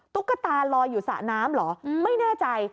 ตุ๊กตาลอยอยู่สระน้ำเหรอไม่แน่ใจ